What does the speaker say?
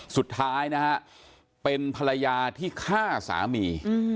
สุดท้ายนะฮะเป็นภรรยาที่ฆ่าสามี